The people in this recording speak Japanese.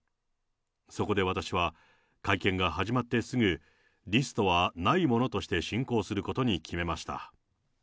そこで私は、会見が始まってすぐリストはないものとして進行することに決めました。